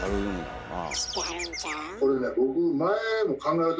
知ってはるんちゃう？